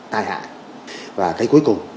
tai hại và cái cuối cùng